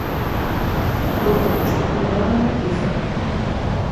Ur kem-ttcewwileɣ ara ma keyyfeɣ?